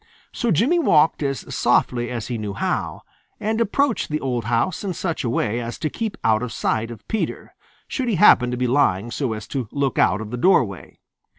So Jimmy walked as softly as he knew how and approached the old house in such a way as to keep out of sight of Peter, should he happen to be lying so as to look out of the doorway.